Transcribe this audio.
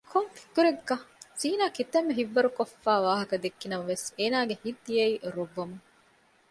ކޮން ފިކުރެއްގަ؟ ; ޒީނާ ކިތައްމެ ހިތްވަރުކޮށްފައި ވާހަކަ ދެއްކި ނަމަވެސް އޭނަގެ ހިތް ދިޔައީ ރޮއްވަމުން